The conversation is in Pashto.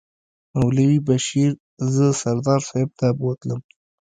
مولوي بشیر زه سردار صاحب ته بوتلم.